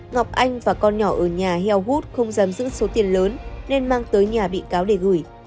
ngọc anh và con nhỏ ở nhà heo hút không giam giữ số tiền lớn nên mang tới nhà bị cáo để gửi